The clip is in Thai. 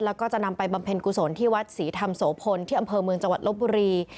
แล้วก็จะนำไปบำเพ็ญกุศลที่วัดศรีธรรมโสพลที่อำเภอเมืองจังหวัดลบบุรี